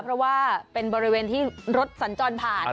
เพราะว่าเป็นบริเวณที่รถสัญจรผ่าน